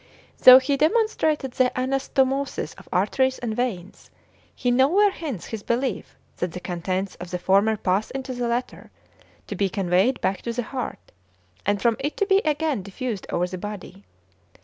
Though he demonstrated the anastomosis of arteries and veins, he nowhere hints his belief that the contents of the former pass into the latter, to be conveyed back to the heart, and from it to be again diffused over the body.